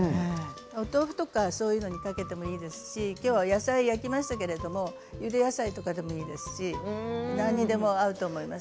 お豆腐とかそういうのにかけてもいいですし今日は野菜を焼きましたけどゆで野菜とかでもいいですし何にでも合うと思います。